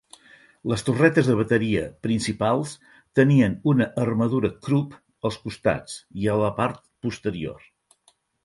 Les torretes de bateria principals tenien una armadura Krupp als costats i a la part posterior.